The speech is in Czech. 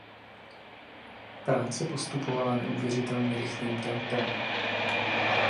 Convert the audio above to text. Práce postupovala neuvěřitelně rychlým tempem.